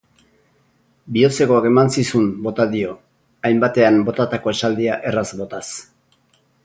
Bihotzekoak eman zizun bota dio, hainbatean botatako esaldia herraz botaz.